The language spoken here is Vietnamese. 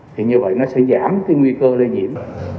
thì như vậy nó sẽ giảm cái nguy cơ lây nhiễm